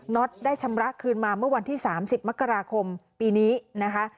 ็อตได้ชำระคืนมาเมื่อวันที่๓๐มกราคมปีนี้นะคะ